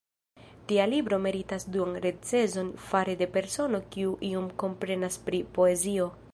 Tia libro meritas duan recenzon fare de persono kiu iom komprenas pri poezio!